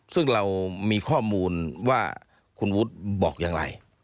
ซึ่งเรามีข้อมูลว่าคุณวุฒิบอกอย่างไร